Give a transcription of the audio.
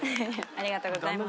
ありがとうございます。